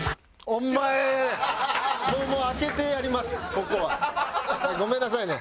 ここは。ごめんなさいね。